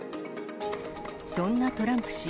そんなトランプ氏。